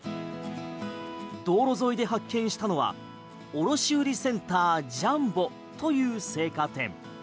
道路沿いで発見したのは卸売センタージャンボという青果店。